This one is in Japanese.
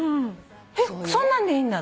えっそんなんでいいんだとか思って。